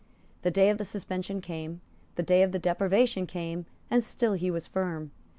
The day of suspension came; the day of deprivation came; and still he was firm.